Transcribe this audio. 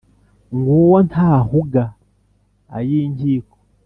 ng’uwo ntahuga ay’inkiko